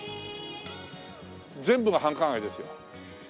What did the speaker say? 全部が繁華街ですよ。